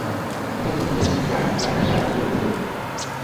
অনেক গৃহিণী আছেন যঁারা রান্নায় স্বাদ আনার জন্য অতিরিক্ত তেলের ব্যবহার করেন।